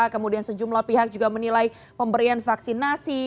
kemudian sejumlah pihak juga menilai pemberian vaksinasi